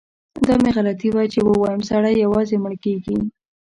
دا مې غلطي وه چي ووایم سړی یوازې مړ کیږي.